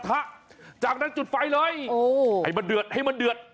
โอ้โหดูไฟดิดูไฟดิ